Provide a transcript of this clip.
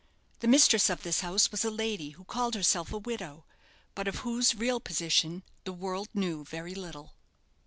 The mistress of this house was a lady who called herself a widow, but of whose real position the world knew very little.